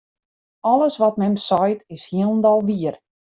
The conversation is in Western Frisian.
Alles wat mem seit, is hielendal wier.